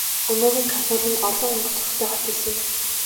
Өнөөгийн Кабул нь олон өнгө төрхтэй хот билээ.